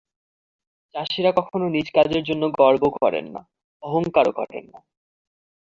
চাষিরা কখনো নিজ কাজের জন্য গর্ব করেন না, অহংকারও করেন না।